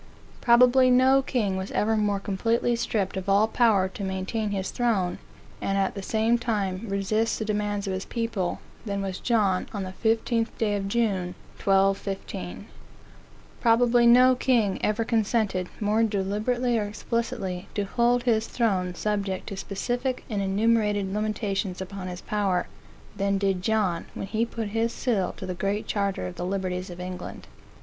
Probably no king was ever more completely stripped of all power to maintain his throne, and at the same time resist the demands of his people, than was John on the 15th day of June, 1215. Probably no king every consented, more deliberately or explicitly, to hold his throne subject to specific and enumerated limitations upon his power, than did John when he put his seal to the Great Charter of the Liberties of England.